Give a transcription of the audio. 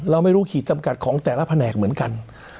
เราไม่รู้ขีดจำกัดของแต่ละแผนกเหมือนกัน